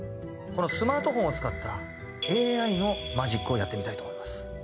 このスマートフォンを使ったＡＩのマジックをやってみたいと思います。